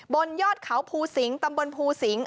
บนยอดเขาภูศิงภ์ตำบลภูศิงศ์